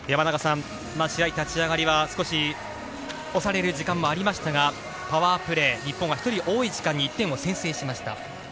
試合、立ち上がりは少し押される時間もありましたが、パワープレー、日本は１人多い時間に１点を先制しました。